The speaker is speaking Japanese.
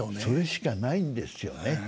それしかないんですよね。